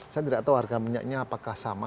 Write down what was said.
saya tidak tahu harga minyaknya apakah sama